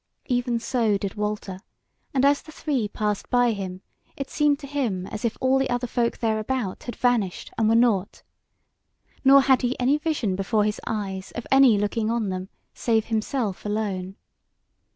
Even so did Walter, and as the three passed by him, it seemed to him as if all the other folk there about had vanished and were nought; nor had he any vision before his eyes of any looking on them, save himself alone.